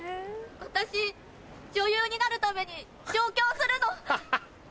私女優になるために上京するの。